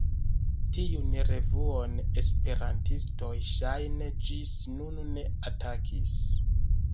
Tiun revuon esperantistoj ŝajne ĝis nun ne atakis.